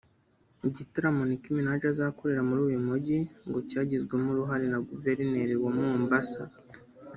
Igitaramo Nicki Minaj azakorera muri uyu mujyi ngo cyagizwemo uruhare na Guverineri wa Mombasa